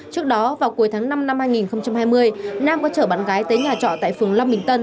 trước đó vào cuối tháng năm năm hai nghìn hai mươi nam có chở bạn gái tới nhà trọ tại phường long bình tân